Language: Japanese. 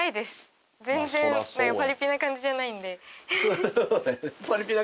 パリピな感じじゃないんだ。